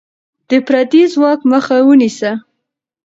د پردی ځواک مخه ونیسه.